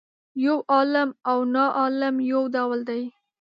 یو عالم او ناعالم یو ډول دي.